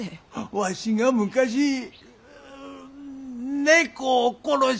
わしが昔猫を殺したせいやて！